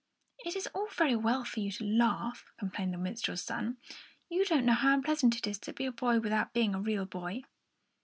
"It is all very well for you to laugh," complained the minstrel's son. "You don't know how unpleasant it is to be a boy without being a real boy."